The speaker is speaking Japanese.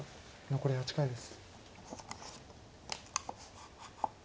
残り８回です。